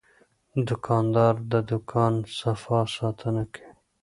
دوکاندار د دوکان صفا ساتنه کوي.